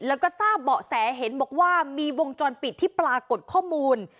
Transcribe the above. แล้วก็ทราบเบาะแสเห็นบอกว่ามีวงจรปิดที่ปรากฏข้อมูล